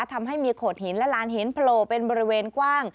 ทำให้มีโขดหินและลานหินโผล่เป็นบริเวณกว้าง